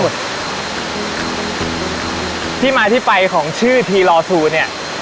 มาตรงไหนที่ไปของชื่อทีลอซูเนี่ย